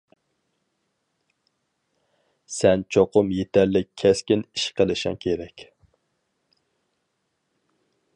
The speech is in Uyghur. سەن چوقۇم يېتەرلىك كەسكىن ئىش قىلىشىڭ كېرەك.